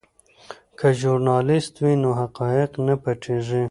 که ژورنالیست وي نو حقایق نه پټیږي.